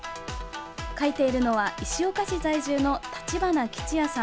書いているのは、石岡市在住の橘吉也さん。